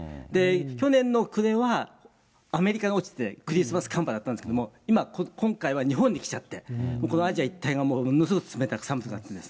去年の暮れはアメリカに落ちて、クリスマス寒波だったんですけれども、今、今回は日本に来ちゃって、このアジア一帯がもう、ものすごく冷たく、寒くなってるんですね。